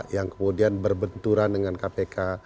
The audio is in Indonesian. yang kemudian berbenturan dengan kpk